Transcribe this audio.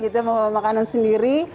membawa makanan sendiri